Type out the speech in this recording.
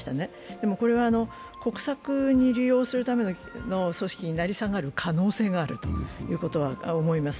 でも、これは国策に利用するための組織に成り下がる可能性があると思います。